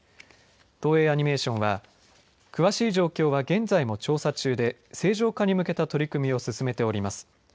東映アニメーションは詳しい状況は現在も調査中で正常化に向けた取り組みを進めております。